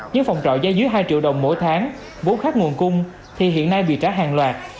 những phòng trọ giá dưới hai triệu đồng mỗi tháng vốn khác nguồn cung thì hiện nay bị trả hàng loạt